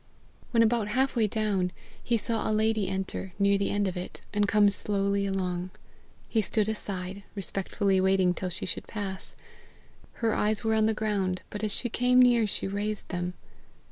When about halfway down, he saw a lady enter, near the end of it, and come slowly along. He stood aside, respectfully waiting till she should pass. Her eyes were on the ground, but as she came near she raised them.